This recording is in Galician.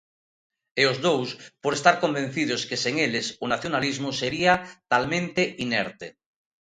E os dous, por estar convencidos que, sen eles, o nacionalismo sería talmente inerte.